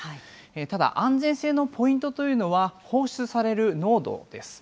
ただ、安全性のポイントというのは、放出される濃度です。